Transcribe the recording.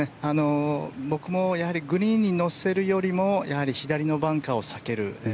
僕もグリーンに乗せるよりも左のバンカーを避ける。